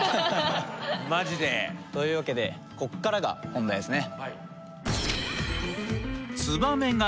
というわけでここからが本題ですね。